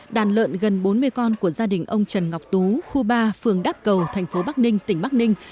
đàn lợn gần bốn mươi con của gia đình ông trần ngọc tú khu ba phường đắp cầu thành phố bắc ninh tỉnh bắc ninh